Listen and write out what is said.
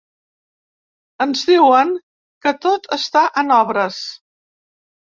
Ens diuen que tot està en obres.